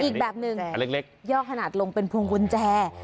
อีกแบบนึงย่อขนาดลงเป็นพวงกุญแจ